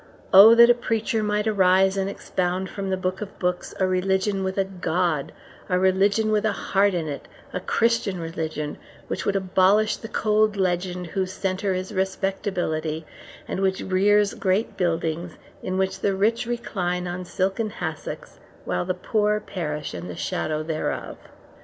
Oh that a preacher might arise and expound from the Book of books a religion with a God, a religion with a heart in it a Christian religion, which would abolish the cold legend whose centre is respectability, and which rears great buildings in which the rich recline on silken hassocks while the poor perish in the shadow thereof.